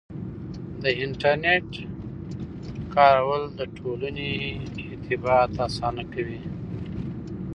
د انټرنیټ کارول د ټولنې ارتباط اسانه کوي.